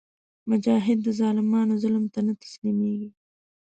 مجاهد د ظالمانو ظلم ته نه تسلیمیږي.